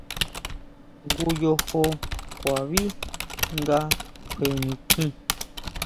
Jngu yojo ʼkuaví nga kjue nitjín.